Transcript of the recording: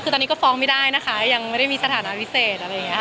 คือตอนนี้ก็ฟ้องไม่ได้นะคะยังไม่ได้มีสถานะพิเศษอะไรอย่างนี้ค่ะ